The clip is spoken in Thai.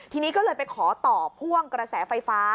ทีนี้ก็เลยไปขอต่อพ่วงกระแสไฟฟ้า